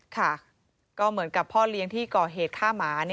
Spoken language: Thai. ค่ะก็เหมือนกับพ่อเลี้ยงที่ก่อเหตุฆ่าหมา